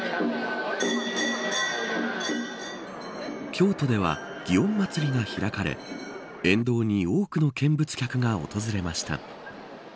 京都では祇園祭が開かれ沿道に多くの見物客が訪れました。